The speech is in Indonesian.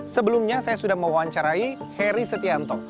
sebelumnya saya sudah mewawancarai heri setianto